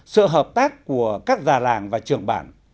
sự hợp tác của các già làng và trường bản